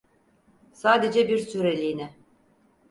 Sadece bir süreliğine.